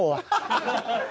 ハハハハ！